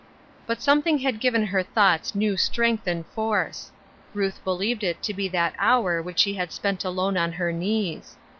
But something had given her thoughts new strength and force. Ruth believed it to be that hour which she had spent alone on her knees.